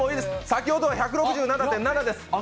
先ほどは１６７．７です。